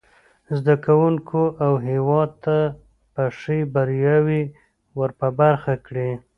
زده کوونکو او هیواد ته به ښې بریاوې ور په برخه کړي.